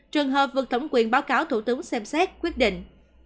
trường hợp vượt thẩm quyền báo cáo thủ tướng xem xét quyết định